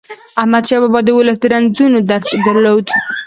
احمدشاه بابا د ولس د رنځونو درک درلود.